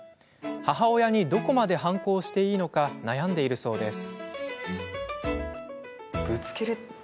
母親にどこまで反抗していいのか悩んでいるそうです。